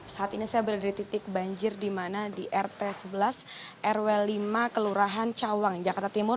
saat ini saya berada di titik banjir di mana di rt sebelas rw lima kelurahan cawang jakarta timur